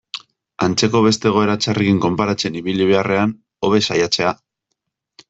Antzeko beste egoera txarrekin konparatzen ibili beharrean, hobe saiatzea.